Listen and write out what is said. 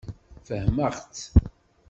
Fehmeɣ-tt.